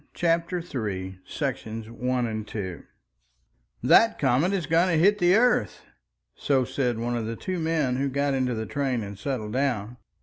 CHAPTER THE THIRD THE REVOLVER § 1 "That comet is going to hit the earth!" So said one of the two men who got into the train and settled down.